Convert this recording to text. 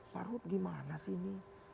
pak ruhut gimana sih ini